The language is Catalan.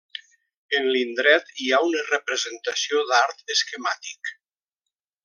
En l'indret, hi ha una representació d'art esquemàtic.